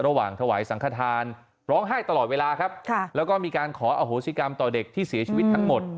ระหว่างถวายสังขทานร้องไห้ตลอดเวลาครับแล้วก็มีการขออโหสิกรรมต่อเด็กที่เสียชีวิตทั้งหมด